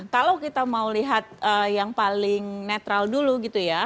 kalau kita mau lihat yang paling netral dulu gitu ya